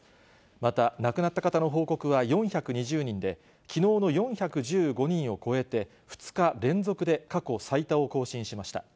また亡くなった方の報告は４２０人で、きのうの４１５人を超えて、２日連続で過去最多を更新しました。